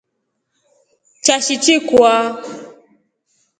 Chashi chikwa.